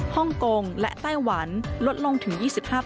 ฮ่องกงและไต้หวันลดลงถึง๒๕